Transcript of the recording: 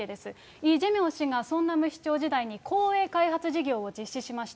イ・ジェミョン氏がソンナム市長時代に公営開発事業を実施しました。